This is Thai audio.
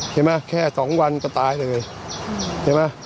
เห็นไหมแค่๒วันก็ตายเลยเห็นไหม